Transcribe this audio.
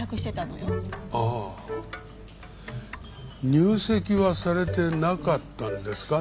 入籍はされてなかったんですか？